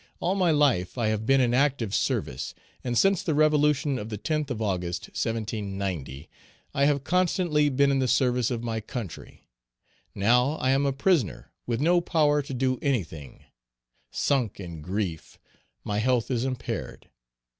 All my life I have been in active service, and since the revolution of the 10th of August, 1790, I have constantly been in the service of my country. Now I am a prisoner with no power to do anything; sunk in grief, my health is impaired.